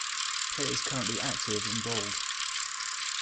Players currently active in Bold.